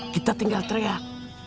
kita tinggal teriak